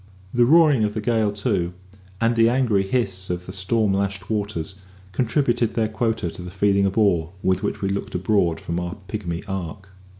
The roaring of the gale, too, and the angry hiss of the storm lashed waters, contributed their quota to the feeling of awe with which we looked abroad from our pigmy ark.